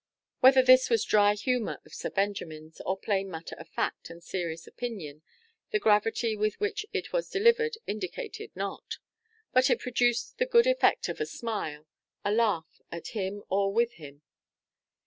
Whether this was dry humour of Sir Benjamin's, or plain matter of fact and serious opinion, the gravity with which it was delivered indicated not; but it produced the good effect of a smile, a laugh, at him or with him.